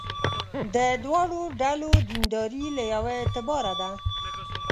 د دواړو ډلو دینداري له یوه اعتباره ده.